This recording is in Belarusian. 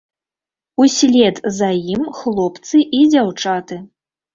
Услед за ім хлопцы і дзяўчаты.